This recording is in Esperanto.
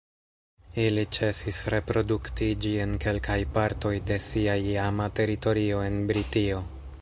Ili ĉesis reproduktiĝi en kelkaj partoj de sia iama teritorio en Britio.